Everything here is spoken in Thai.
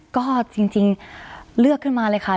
ก็จริงเลือกขึ้นมาเลยค่ะ